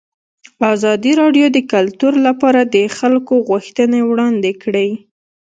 ازادي راډیو د کلتور لپاره د خلکو غوښتنې وړاندې کړي.